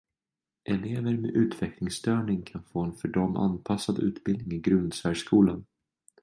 Elever med utvecklingsstörning kan få en för dem anpassad utbildning i grundsärskolan.